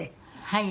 はい。